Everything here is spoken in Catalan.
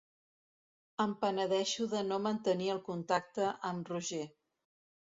Em penedeixo de no mantenir el contacte amb Roger.